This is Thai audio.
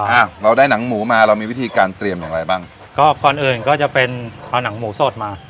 อ่าเราได้หนังหมูมาเรามีวิธีการเตรียมอย่างไรบ้างก็ก่อนอื่นก็จะเป็นเอาหนังหมูสดมา